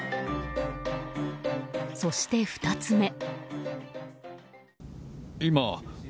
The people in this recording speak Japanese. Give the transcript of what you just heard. そして、２つ目。